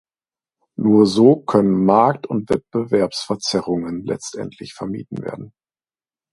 Nur so können Markt- und Wettbewerbsverzerrungen letztendlich vermieden werden.